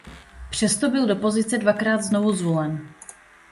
Přesto byl do pozice dvakrát znovuzvolen.